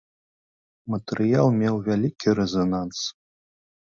Матэрыял меў вялікі рэзананс.